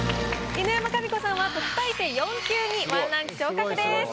犬山紙子さんは特待生４級に１ランク昇格です。